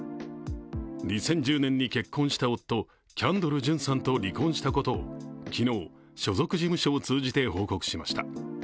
２０１０年に結婚した夫キャンドル・ジュンさんと離婚したことを昨日、所属事務所を通じて報告しました。